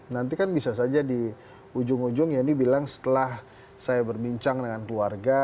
nanti kan bisa saja di ujung ujung yeni bilang setelah saya berbincang dengan keluarga